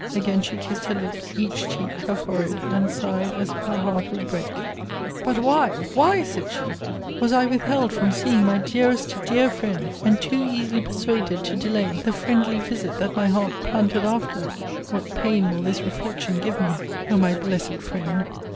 Again she kissed her lips, each cheek, her forehead; and sighed as if her heart would break But why, why, said she, was I withheld from seeing my dearest, dear friend, and too easily persuaded to delay, the friendly visit that my heart panted after; what pain will this reflection give me! O my blessed Friend!